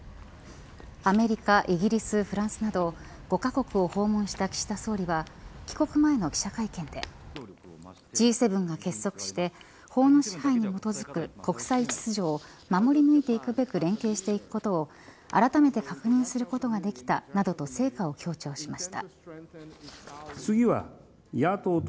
アメリカ、イギリスフランスなど５カ国を訪問した岸田総理は帰国前の記者会見でＧ７が結束して法の支配に基づく国際秩序を守り抜いていくべく連携していくことをあらためて確認することができたなどと成果を強調しました。